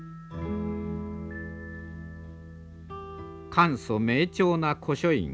簡素明澄な古書院。